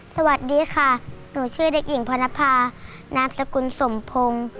สวัสดีค่ะหนูชื่อเด็กหญิงพนภานามสกุลสมพงศ์